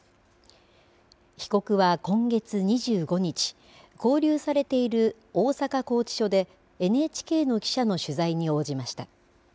被告は今月２５日勾留されている大阪拘置所でＮＨＫの記者の取材に応じました。